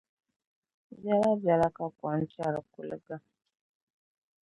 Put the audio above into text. Biɛlabiɛla ka kom kpɛri kuliga.